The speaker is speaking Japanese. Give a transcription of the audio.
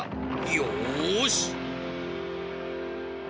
よし！